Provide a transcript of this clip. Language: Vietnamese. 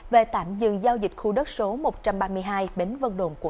về tạm dừng giao dịch khu đất số một trăm ba mươi hai bến vân đồn quận một